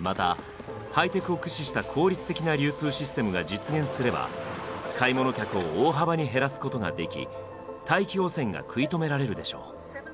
またハイテクを駆使した効率的な流通システムが実現すれば買い物客を大幅に減らすことができ大気汚染が食い止められるでしょう。